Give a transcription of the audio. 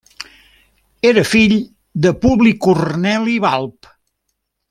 Era fill de Publi Corneli Balb.